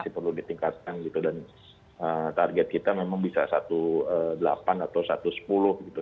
masih perlu ditingkatkan gitu dan target kita memang bisa satu delapan atau satu sepuluh gitu